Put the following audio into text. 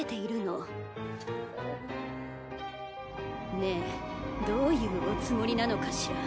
ねえどういうおつもりなのかしら？